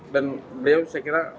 dan beliau saya kira